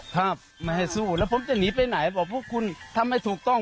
ถ้าไม่ให้สู้แล้วผมจะหนีไปไหนบอกพวกคุณทำให้ถูกต้อง